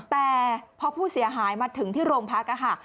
แต่พอผู้เสียหายมาถึงที่โรงพักค่ะ